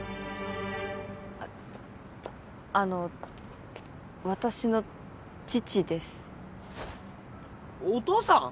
あっあの私の父ですお父さん！？